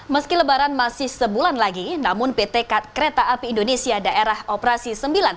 meski lebaran masih sebulan lagi namun pt kat kereta api indonesia daerah operasi sembilan